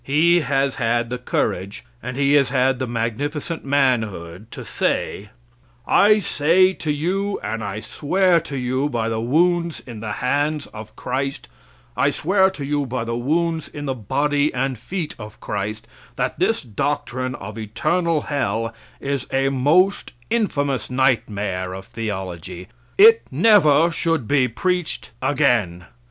He has had the courage, and he has had the magnificent manhood, to say: "I say to you, and I swear to you, by the wounds in the hands of Christ I swear to you by the wounds in the body and feet of Christ, that this doctrine of eternal hell is a most infamous nightmare of theology! It never should be preached again."